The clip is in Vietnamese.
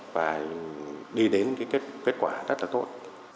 và đi đến kết quả rất là tốt